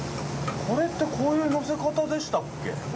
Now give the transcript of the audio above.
コレってこういうのせ方でしたっけ？